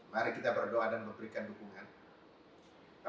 mari kita berdoa dan memberikan dukungan